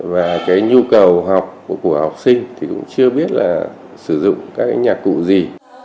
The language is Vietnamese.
và nhu cầu học của học sinh cũng chưa biết là sử dụng các nhạc cụ gì